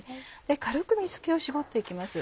で軽く水気を絞って行きます